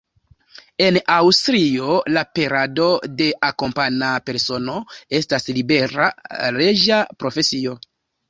En Aŭstrio, la perado de akompana persono estas libera, leĝa profesio.